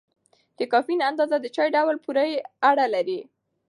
د کافین اندازه د چای ډول پورې اړه لري.